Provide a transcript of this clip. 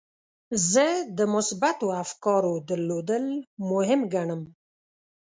زه د مثبتو افکارو درلودل مهم ګڼم.